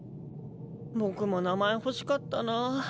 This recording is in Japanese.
僕も名前欲しかったなぁ。